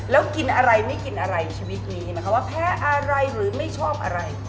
แล้วกินอะไรไม่กินอะไรชีวิตนี้ไหมคะว่าแพ้อะไรหรือไม่ชอบอะไร